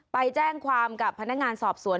ไปแจ้งความกับพนักงานสอบสวน